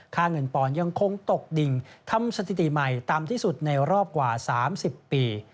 เงินปอนด์ยังคงตกดิ่งทำสถิติใหม่ต่ำที่สุดในรอบกว่า๓๐ปี